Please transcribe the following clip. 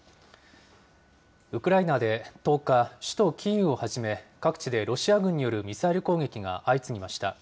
ウクライナで１０日、首都キーウをはじめ、各地でロシア軍によるミサイル攻撃が相次ぎました。